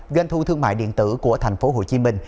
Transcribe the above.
doanh thu thương mại điện tử của thành phố hồ chí minh